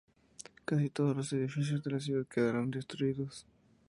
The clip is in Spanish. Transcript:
Casi todos los edificios de la ciudad quedaron destruidos.